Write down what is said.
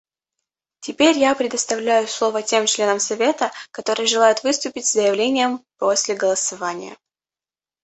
Теперь я предоставляю слово тем членам Совета, которые желают выступить с заявлениями после голосования.